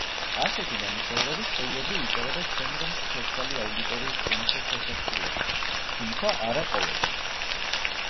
ასეთი ნამუშევრები ჩვეულებრივ იწერება შემდგომში ცოცხალი აუდიტორიის წინაშე შესასრულებლად, თუმცა არა ყოველთვის.